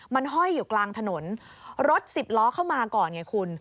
มันห้อยอยู่กลางถนนรถสิบล้อเข้ามาก่อนไงคุณ